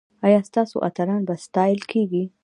ایا ستاسو اتلان به ستایل کیږي؟